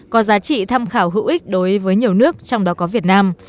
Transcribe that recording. có giá trị tham khảo hữu ích đối với nhiều nước trong đó có việt nam